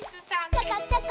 ちょこちょこ。